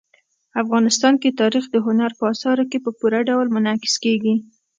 افغانستان کې تاریخ د هنر په اثارو کې په پوره ډول منعکس کېږي.